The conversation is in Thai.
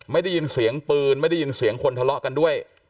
ไม่ได้ยินเสียงปืนไม่ได้ยินเสียงคนทะเลาะกันด้วย